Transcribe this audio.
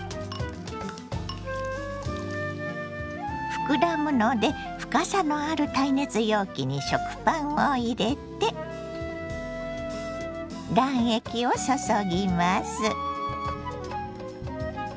膨らむので深さのある耐熱容器に食パンを入れて卵液を注ぎます。